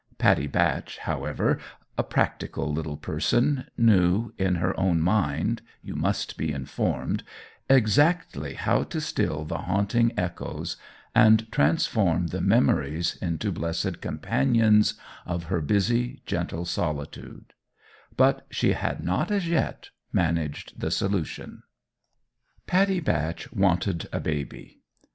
Pattie Batch, however, a practical little person, knew in her own mind, you must be informed, exactly how to still the haunting echoes and transform the memories into blessed companions of her busy, gentle solitude; but she had not as yet managed the solution. Pattie Batch wanted a baby.